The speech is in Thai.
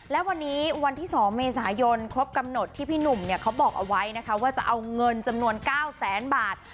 และวันนี้วันที่๒เมษายนครบกำหนดที่พี่หนุ่มเขาบอกเอาไว้นะคะว่าจะเอาเงินจำนวน๙แสนบาท